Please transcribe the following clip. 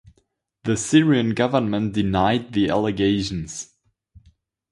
The Syrian government denied the allegations.